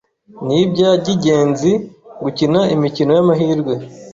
nibyagingenzi gukina imikino y’amahirwe.